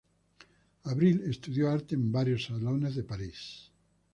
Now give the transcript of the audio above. Avril estudió arte en varios salones de París.